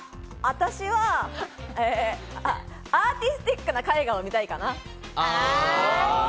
私はアーティスティックな絵画を見たいかな。